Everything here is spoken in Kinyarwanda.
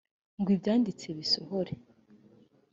ngo ibyanditswe bisohore